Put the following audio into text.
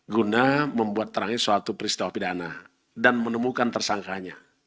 guna membuat terangnya suatu peristiwa pidana dan menemukan tersangkanya